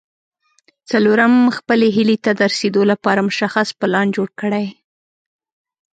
څلورم خپلې هيلې ته د رسېدو لپاره مشخص پلان جوړ کړئ.